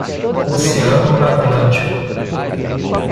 Oceano Atlântico.